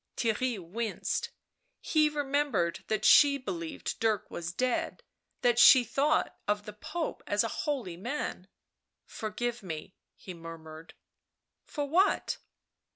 Theirry winced ; he remembered that she believed Dirk was dead, that she thought of the Pope as a holy man. ..." Porgive me," he murmured. " For what